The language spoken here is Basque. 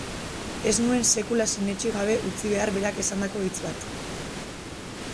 Ez nuen sekula sinetsi gabe utzi behar berak esandako hitz bat.